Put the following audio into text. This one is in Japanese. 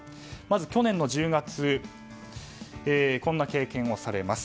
去年の１０月こんな経験をされます。